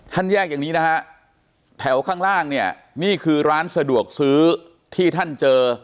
แยกอย่างนี้นะฮะแถวข้างล่างเนี่ยนี่คือร้านสะดวกซื้อที่ท่านเจอ